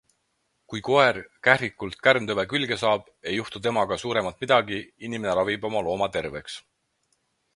Kui koer kährikult kärntõve külge saab, ei juhtu temaga suuremat midagi - inimene ravib oma looma terveks.